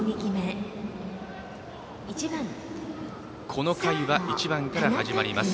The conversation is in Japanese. この回は１番から始まります。